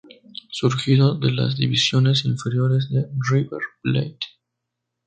Surgido de las divisiones inferiores de River Plate.